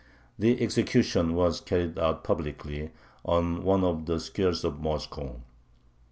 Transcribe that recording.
The execution was carried out publicly, on one of the squares of Moscow.